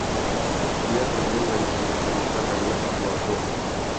Dia terjun dan sedikit terluka karena sebuah bom.